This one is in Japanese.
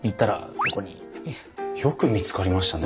よく見つかりましたね。